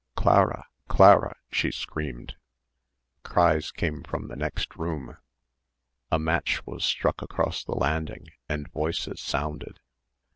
Clara! Clara!" she screamed. Cries came from the next room. A match was struck across the landing and voices sounded.